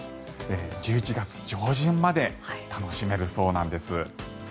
１１月上旬まで楽しめるそうなんです。